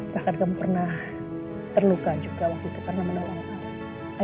bahkan kami pernah terluka juga waktu itu karena menolong karet